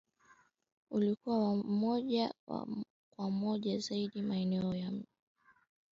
ulikuwa wa moja kwa moja zaidi maeneo ya mijini